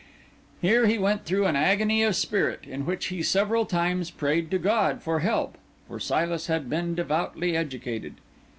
Here he went through an agony of spirit, in which he several times prayed to God for help, for Silas had been devoutly educated.